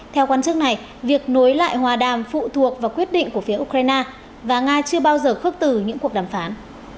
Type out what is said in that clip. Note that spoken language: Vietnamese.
theo quan chức này việc nối lại hòa đàm phụ thuộc vào quyết định của phía ukraine và nga chưa bao giờ khước từ những cuộc đàm phán